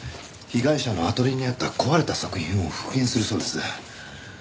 被害者のアトリエにあった壊れた作品を復元するそうです。